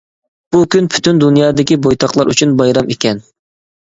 بۇ كۈن پۈتۈن دۇنيادىكى بويتاقلار ئۈچۈن بايرام ئىكەن.